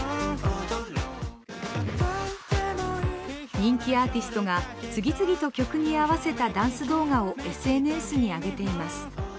人気アーティストが次々と曲に合わせたダンス動画をＳＮＳに上げています。